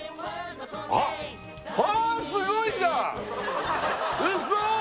あっあすごいなウソ